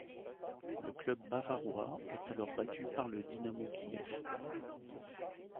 Le club bavarois est alors battu par le Dynamo Kiev.